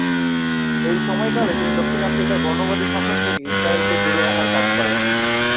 এই সময়কালে তিনি দক্ষিণ আফ্রিকার বর্ণবাদী শাসন থেকে ইসরায়েলকে দূরে রাখার কাজ করেন।